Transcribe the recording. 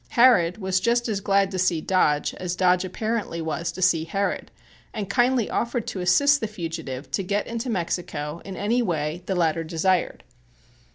Harrod was just as glad to see Dodge as Dodge apparently was to see Harrod, and kindly offered to assist the fugitive to get into Mexico in any way that the latter desired.